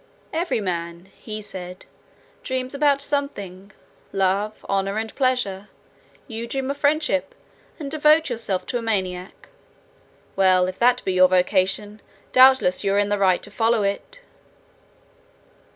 "Every man," he said, "dreams about something, love, honour, and pleasure; you dream of friendship, and devote yourself to a maniac; well, if that be your vocation, doubtless you are in the right to follow it."